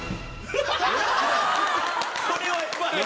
これはやばい！